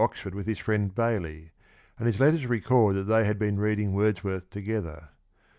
xford with his friend Bailey, and hi.s letters record that they had been reading Wordsworth together.